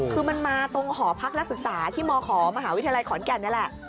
คือมันมาตรงหอพักนักศึกษาที่มขมหาวิทยาลัยขอนแก่นนี่แหละ